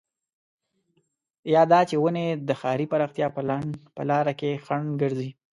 يا دا چې ونې د ښاري پراختيا په لاره کې خنډ ګرځي.